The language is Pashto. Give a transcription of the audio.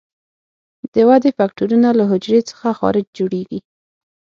د ودې فکټورونه له حجرې څخه خارج جوړیږي.